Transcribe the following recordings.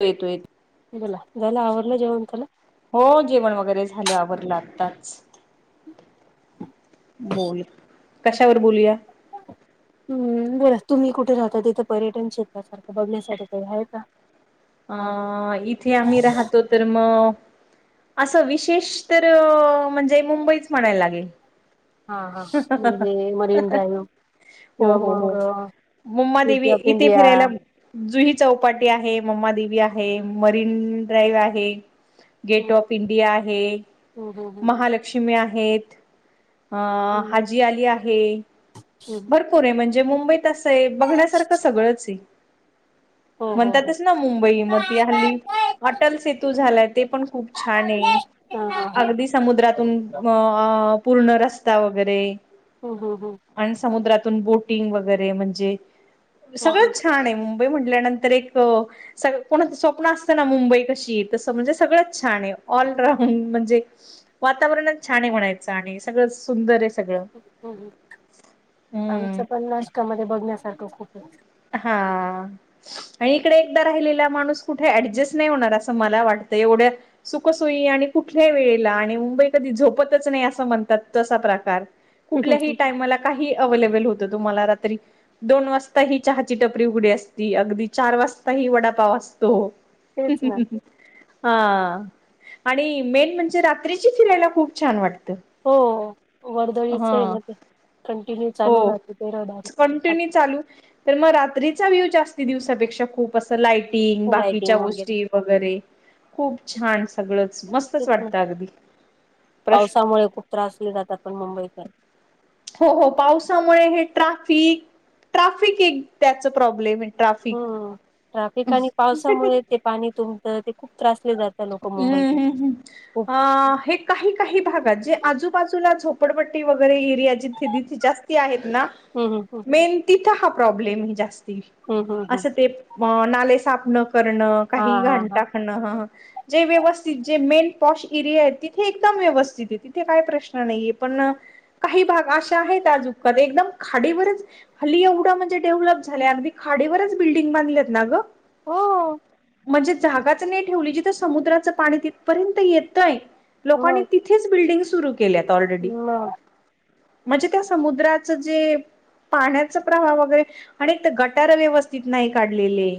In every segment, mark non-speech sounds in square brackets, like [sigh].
येतो येतो. बोला, झालं आवरलं जेवण झालं? हो जेवण वगैरे झालं आवरलं आताच. बोल, कशावर बोलूया? [unintelligible] हम्म, बर तुम्ही कुठे राहता तिथं पर्यटन क्षेत्रासारखं बघण्यासाठी काही आहे का? अ इथे आम्ही राहतो तर मग असं विशेष तर म्हणजे मुंबईच म्हणायला लागेल. हा हा, म्हणजे मरीन ड्रायव्ह हो हो हो, गेट [unintelligible] ऑफ इथे इंडिया फिरायला जुही चौपाटी आहे, म्मादेवी आहे, मरीन ड्राईव्ह आहे. गेट हम्म ऑफ इंडिया आहे. हम्म हम्म महालक्ष्मी आहेत अ हम्म हाजीआली आहे. हम्म हम्म भरपूर आहे म्हणजे मुंबईत असं आहे, बघण्यासारखं सगळच आहे हो हो हो म्हणतात ना मुंबई हा म ती हा हल्ली, अटल सेतू झालाय ते पण खूप छान आहे. हा अगदी समुद्रातून अ पूर्ण रस्ता वगैरे हो हो हो आणि समुद्रातून बोटिंग वगैरे म्हणजे, हम्म सगळंच छान आहे मुंबई म्हटल्यानंतर एक अ सग कोणाचं स्वप्न असतं ना, मुंबई कशी आहे? तसं म्हणजे सगळंच छान आहे, ऑलराऊंड म्हणजे वातावरणात छान आहे म्हणायचं आणि सगळंच सुंदर आहे सगळं. हम्म हम्म, हम्म आमचं पण नाश्कामध्ये बघण्यासारखं खूप आहे. हा आणि इकडे एकदा राहिलेला माणूस कुठे ऍडजस्ट नाही होणार असं मला वाटतंय, एवढ्या सुख सोयी आणि कुठल्याही वेळेला आणि मुंबई कधी झोपतच नाही असं म्हणतात तसा प्रकार कुठल्याही टाइमला काही अवलेबल होत तुम्हाला रात्री, दोन वाजता ही चहाची टपरी उघडी असती अगदी चार वाजता ही वडापाव असतो. तेच ना हा, आणि मेन म्हणजे रात्रीची फिरायला खूप छान वाटतं. हो वर्दळीच हा आहे ना ते, कंटिन्यू चालू हो राहते ते रहदारी. कंटिन्यू चालू तर मग रात्रीचा व्ह्यू जास्ती दिवसापेक्षा खूप असं लाइटिंग, बाकीच्या लायटिंग वगैरे गोष्टी वगैरे खूप छान सगळंच मस्तच तेच ना वाटत अगदी प्रश्न. पावसामुळे खूप त्रासले जात पण मुंबईकर. हो हो पावसामुळे हे ट्राफिक ट्राफिक एक त्याच प्रॉब्लेम आहे. ट्राफिक हम्म ट्राफिक आणि पावसामुळे ते पाणी तुमतं ते खूप त्रासले जात. लोक [inaudible] मुंबईकर खूप अ हे काही काही भागात जे आजूबाजूला झोपडपट्टी वगैरे एरिया जिथे तिथे जास्त आहेत ना. हम हम हं. तिथे हा प्रॉब्लेम जास्ती हम्म हम्म हम्म असे नाले साफ न कारण. हा काही हा घाण हा टाकणं ह. जे व्यवस्थित जे मेन पॉश एरिया आहे तिथे एकदम व्यवस्थित आहे तिथे काय प्रश्न नाहीये पण काही भाग अशा आहेत आजुन एकदम खाडीवरच खाली एवढं म्हणजे डेव्हलप झाल अगदी खाडीवरच बिल्डिंग बांधलेत ना गं. हो. म्हणजे जागाच नाही ठेवली जिथं समुद्राचं पाणी तिथपर्यंत येतंय लोकांनी मग ति तिथे बिल्डिंग सुरू के ऑलरेडी मग म्हणजे त्या समुद्राच जे पाण्याचा प्रभाव वगैरे आणि तर गटार व्यवस्थित नाही काढलेले.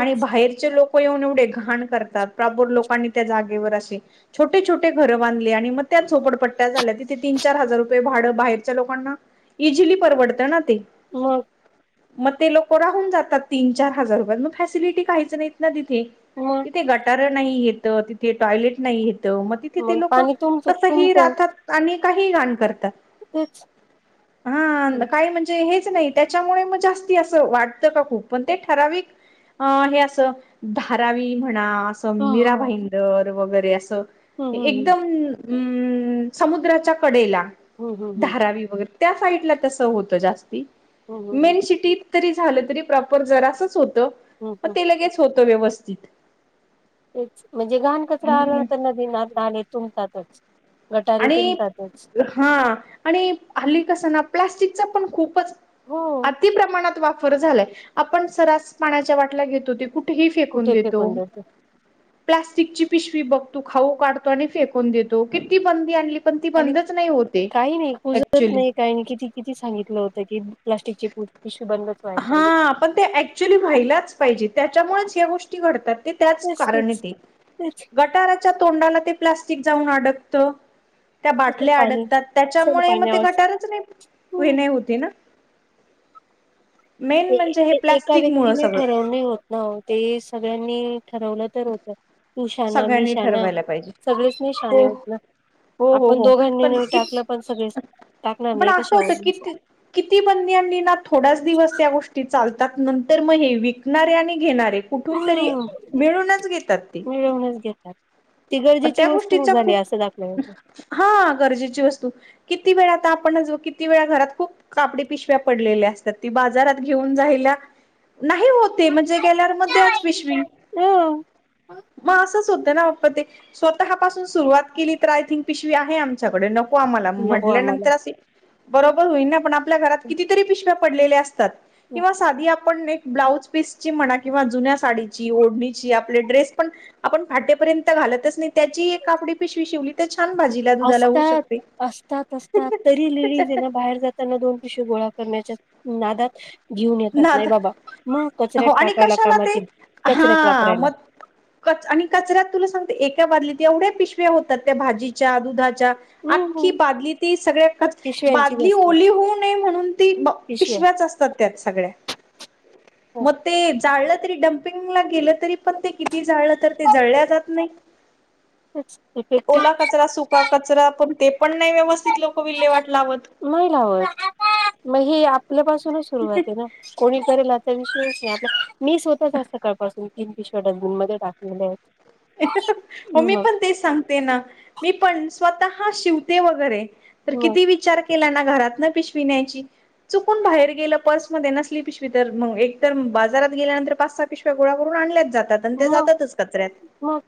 आणि बाहेरचे लोक येऊन एवढे घाण करतात प्रापूर लोकांनी त्या जागेवर असे छोटे छोटे घरं बांधले आणि मग त्या झोपडपट्ट्या झाल्या तिथे तीन चार हजार रुपये भाडं बाहेरच्या लोकांना इझीली परवडतं ना ते. मग मग ते लोक राहून जातात तीन चार हजार रुपया मग फॅसिलिटी काहीयच नाहीत ना तिथे. मग तिथे गटार नाही येत तिथे टॉयलेट नाही येत मग तिथे ते लोक पाणी तुमच कसंही तुमत राहतात आणि काही घाण करतात. तिथेच. हा काही म्हणजे हेच नाही त्याच्यामुळे मग जास्ती असं वाटतं का खूप पण ते ठराविक हे असं धारावी म्हणा असं मीरा भाईंदर वगैरे असं हम्म हम्म एकदम अम् समुद्राच्या कडेला हम्म हम्म धारावी वगैरे. त्या साईडला तस होतं जास्ती हम्म हम्म मेन सिटीत तरी झालं तरी प्रॉपर जरासच होत मग हम्म ते लगेच होतं व्यवस्थित. तेच म्हणजे घाण कचरा आला हम्म तर नदी नाले तुबतातच. आणि हा आणि हल्ली कस ना प्लास्टिकचा पण खूपच हो अतिप्रमाणात वापर झालाय आपण सरस पाण्याच्या वाटल्या घेतोती कुठ फेकून देतो प्लास्टिकची पिशवी बघतो खाऊ काढतो आणि फेकून देतो किती बंदी आणली. पण ती आणि बंदच नाही होते ऍक्च्युली. टाईम किती. किती सांगितलं होत की प्लास्टिकचे पिशू बन हा पण ते ऍक्च्युली व्हायलाच पाहिजे त्याच्यामुळेच या गोष्टी घडतात ते त्याच तेच कारण तेच ते तेच गटाराच्या तोंडाला ते प्लास्टिक जाऊन अडकत त्या नुसतं बाटल्या पाणी अडकतात चल त्याच्यामुळे मग ते पाण्यावर गटारच नाही हे हम्म नाही होती ना मेन ते म्हणजे हे ते एका प्लास्टिक मुळ व्यक्तीने सगळं ठरवणे हो हो ते सगळ्यांनी ठरवलं तर होतं तू शाना मी सगळ्यांनी शाना ठरवायला पाहिजे सगळेच मी शाने हो होतलं हो हो आपण हो दोघांनी पण नाही कि टाकलं पण सगळे टाकणार पण नाही ए असं होतं शेवाट किती किती बंदी आणली ना थोड्याच दिवस त्या गोष्टी चालतात नंतर मग हे विकणारे आणि घेणारे. कुठून तरी मिळूनच घेतात ते ेवच घेतात ती प गरजेची त्या वस्तू गोष्टीचा झाली खूप असं दाखवलं जातं. हा गरजेची वस्तू किती वेळा आता आपणच किती वेळा घरात खूप कापडी पिशव्या पडलेल्या असतात ती बाजारात घेऊन जायला. नाही होते म्हणजे गेल्यावर मच पिशवी. हम मग असंच होतं ना आप् ते स्वतः पाासून सुरुवात केली तर आय थिंक पिशवी आहेम नको आम नको आम्हाला म्हल्यांतर बरोर होई पण आपल्या घरात कितीरी प्या [inaudible] आप एक ब्लाज पीसची म्हणा किंवा जुन्या साडीची ओढणीची आप ड्रेस आपण फाटेपर्यंत घालतच नाही त्याची काकडी पिशवी शिवली ते छान भाज असतात असतात असतात तरी लेडिंग येना बाहेर जात त्यांना दोन पसे गोळा करण्याच्या नादात घेऊन येतात ना नाही बाबा मग हो कचऱ्यात आणि टाकायला कशाला ते कामातील कचऱ्यात वापरायला क आणि कचऱ्यात तुला सांगते एका बाजलीत एवढ्या पिशव्या होतात त्या भाजीच्या दुधाच्या हम्म आखखी बादली ते सगळ्या पिशव्यांची बादली जास्त ओली होऊ नये म्हणून ती पिशव्या पिशव्याच असतात त्याच म ते जाळलं तरी डम्पिंगला गेलं तरी पण ते किती जाळलं तर ते जळल्या जात नाही जास्तच इफेक्टिव्ह ओला कचरा सुख कचरा पण ते पण नाही व्यवस्थित लोक विल्हेवाट लावत नाही लाव मग ह आपल्यापासूनच सुरुवात आहे ना कोणी करेल आचा विषय नाही आप मी स्वतःच स काळपासून तीन ती शर्ट जून मध्ये टाकलेल्या आहेत म ममी मग पण ते सांग. मी पण स्वतः शिवते वगरे तर मग किती विचार केला ना घरात न पिशविण्याची चुकून बाहेर गेलं पर्समध्येध्ये नसली पिशवी तर मग एक तर बाजारात गेल्यानंतर पाच सात पिश् गोळा करून आणल्याच जात आणि ते मग जातातच कचऱ्यात मग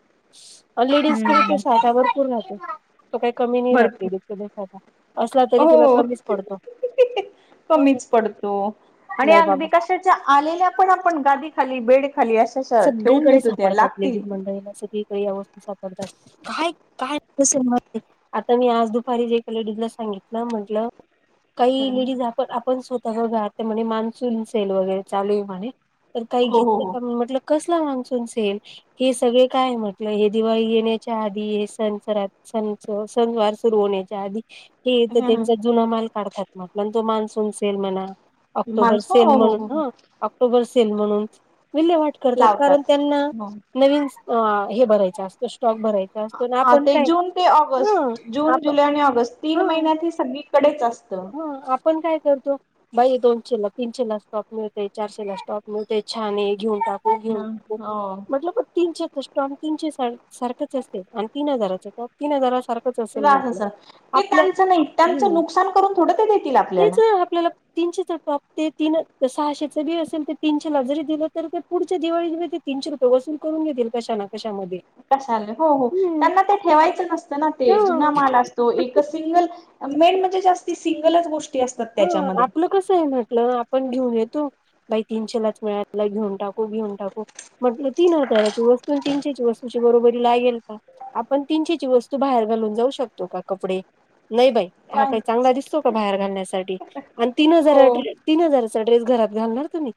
लेडीज क ते हम्म साठा भरपूर राहतो तो काही कमी नाही भरपूर राहत असला तरी तिला कमीच पडतो क प आणि नाही अगदी बाबा क आल्या पण आपण गादी खाली बेड खाली अशा ठेवून सगळीकडे देतो त्या सापडतात लागतील लेडीज मंडळीला सगळीकडे या वस्तू सापडतात काय कायल आता मी आज दुपारी ज ए लेडीजला सांगितलं म्हंटलं काही हा लेडीज आपण आपण स्वतः घात म्हणज मान्सून सेल वगैरे चालू आहे म्हणे तर काही हो घेतलं हो का हो म्हटल कसला मान्सूनसेल हे सगळे काय म्हटलं हे दिवाळी येण्याच्या आधी हे सणचरात स सनवार सुरू होण्याच्या आधी ते तर ह ह त्यांचा जुना माल काढतात मग आपला तो मान्सून सेल म्हणा ऑक्टोबर माणस हो सेल हो हो म्हणून हो ह ऑक्टोबर सेल म्हणून विले [unintelligible] वाट करतात कारण लावतात त्यांना नवीन स्टॉक भरायचं असतो ना हा आपण ते काय जून ते ह ऑगस्ट जून, आपण जुलै आणि ऑगस्ट तीन ह महिन्यात ही सगळी. कडेचं असतं. पण काय करतो. बाई दोनशेला तीनशेला टॉप मिळते चारशेला. टॉप मिळते छान हे घेऊन टाक. हा होय मतलब. तीनशेच टॉप तीनशे सारखंच असते आणि तीन हजाराच टॉप तीनहजार सारखा असतो. तीन हजार सारखंचं असेल हो म्हटलं असं ते आपलं त्यांचं नाही त्यांचं हम् नुकसान करून थोडं ते देतील आपल्याला हेचंआपल्याला. तीनशेचा टॉप ते सहाशेच बी असेल ते तीनशेला जरी दिलं तर. पुढच्या दिळीमध्ये ते तीनशे रुपये वसूलकरून घेतील कशानं. कशाला हो त्यांना ते ठेवायचं नसतं ना ते जुना माल असतो हा. एकचं सिगलं मेन म्हणजे सिंगलच गोष हा, आपलं कसं आहे म्हटलं आपण घेऊन येतो. बाई तीनशेलाच मिळाला घेऊन टाकू घेऊन टाकू. म्हटलं तीन हजाराची वस्तू तीनशे वस्तूची बरोबरी येईल का. आपण तीनशेची वस्तू बाहेर घालून जाऊ शकतो का कपडे नाही बाई. हा नाही काही चांगला दिसतो का बाहेर घालण्यासाठी आणि तीन हो हजार ड्रेस तीन हजारचा ड्रेस घरात घालणार तुम्ही?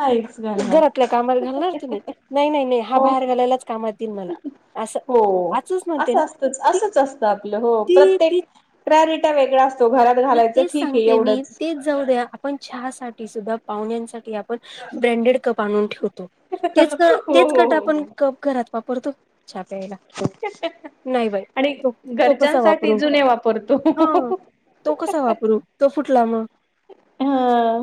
नाय! घरातल्या कामाला घालणार तुम्ही नाही नाही हा हो बाहेर घालायलाचं कामात येईल मला. असं हो आजच म्हणते ना असं ती असतच आपलं हो ती प्रत्येक ती प्रायरिटा वेगळा असतो घरात आणि घालायचं तेच ठीक आहे सांगते मी एवढंचं तेच जाऊ दया आपण चहा साठी सुद्धा पाहण्यासाठी आपण ब्रँडेड कप आणून ठेवतो. हो तेच हो कप हो आपण हो घरात वापरतो का चहा प्यायला? नाही बाई आणि तो कसा घरच्यांसाठी वापरू जुने वापरतो हा! तो कसा वापरू तो फुटला मंग हा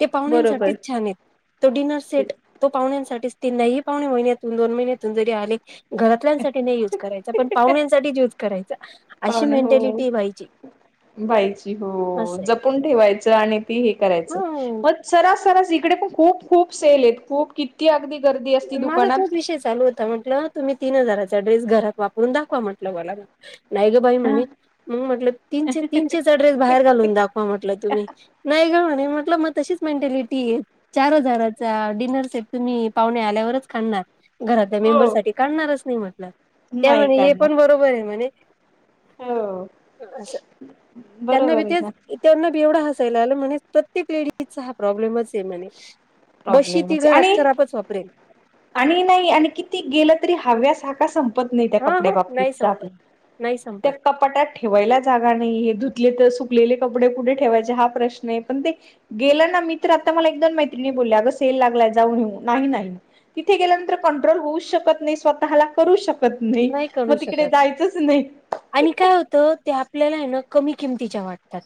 ते बरोबर पाहुण्यांसाठीचं छान आहेत. तो डिनर तेच. सेट तो पाहुंण्यांसाठीच ती नाही पाहुणे महिन्यातून दोन महिन्यातून जरी आले. घरातल्यांसाठी नाही युज करायचा पण पाहुण्यांसाठीच युज करायचा अशी पाहुणे हो मेंटॅलिटी आहे बाईची. बाईची हो असं जपून ठेवायचं आणि ती हे करायचं ह मगं सरा सरास इकडे पण खूप सेल आहेत खूप किती अगदी गर्दी असती दुकानात. चालुत त म्हटलं तुम्ही तीन हजार ड्रेस घरात वापरून दाखवा म्हटलं मला. नाय ग बाई ह म्हणे मग म्हटलं ती तीनशेचा ड्रेस बाहेर घालून दाखवा म्हटलं तुम्ही. नाही गं म्हणे म्हटलं मग तशीच मेंटॅलिटी चार हजाराचा डिनर सेट तुम्ही पाहुणे आल्यावरचं काढणार घरातल्या हो मेंबर साठी काढणारचं नाही म्हटलं. त्या नाही म्हणे हे काढणार पण बरोबर म्हणे. हो असं त्यांना बी बरोबर आहे ना तेच त्यांना बी एवढ हसायला आलं म्हणे प्रत्येक लेडीचा हा प्रॉब्लेमच आहे म्हणे. बशी ती प्रॉब्लेमच घरात आणि खराब वाप आणि नाही आणि किती गेलं तरी हव्यास हा का सं पत नाही त्या हा कपड्या हा नाही बाबतीतचा संपत नाही त्या संपत कप पाटात ठेवायला जागा नाहीे धुतले तर सुकलेले कपडे कुठे ठेवायचे हा प्रश्न आहे पण ते गेलं ना मी तर आता मला एक दोन मैत्रिणी बोलले अगं सेल लागलाय जाऊन येऊ नाही नाही. तिथे गेल्यानंतर कंट्रोल होऊ शकत नाही स्वतःला करू शकत ना कत नाय नाही करू मग तिकडे शकत जायचं नाही. आणि काय होतं ते आपल्याला आहे ना कमी किमतीच्या वाटतात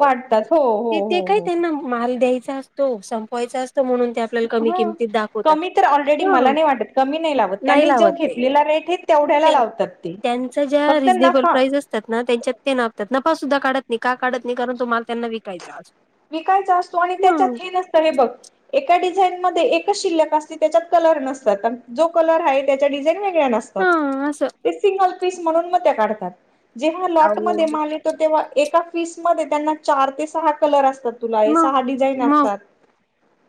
वाटतात हो हो ते हो काय हो त्यांना माल द्यायचा असतो संपवायचा असतो म्हणून त्या आपल्या कमी हा किमतीत दाखवत कमी तर ऑलरेडी हा मला नाही नाही लावतं ते. ठीक तेवढ्या त्या त्यांच ज्या रिझनेबल नफा प्राइस अस तात ना त्यांच्यात ते नापतात नफ सुद्धा काढत नाही का काढत नाही कारण तो माल त्यांना विकायचा असतो. विकायचा असतो आणि त्याच्यात ह हे नसतं हे बघ एका डिझाईन मध्ये एकच शिल्लक असते त्याच्यात कलर नसतात जो कलर आहे त्याच्या डिझाईन वेगळ्या नस तात, हा असं सिंगल पीस म्हणून मग त्या काढतात जेव्हा लॉट अहो मध्ये माल ये तो तेव्हा एका पीसमध्ये त्यांना चार ते सहा कलर असतात. तुला हे मग सहा डिझाइन असता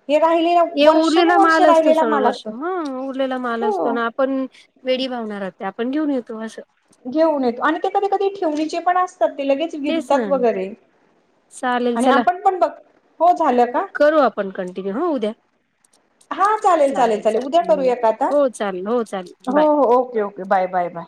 हे राहिले ये उरलेला माल असतो सगळं वर्ष उरलेला माल असतो हो ना. आपण वेडी भावना राहते आपण घेऊन येतो असं. घेऊन येतो आणि ते कधी कधी ठेवणीचे पण असतात ते लगेच तेच विरतात ना वगैरे चालेल आणि चला आपण पण बघ, हो झालं का? पण कंटिन्यू हो उद्या. हा चालेल चालेल चालेल, उद्या करूया का आता, हो चालेल हो चालेल हो बाय हो okay okay bye bye bye.